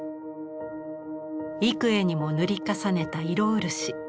幾重にも塗り重ねた色漆。